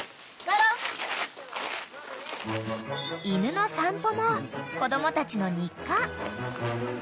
［犬の散歩も子供たちの日課］